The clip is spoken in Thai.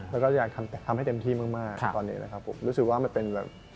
แล้วก็อยากทำให้เต็มที่มากรู้สึกว่ามันเป็น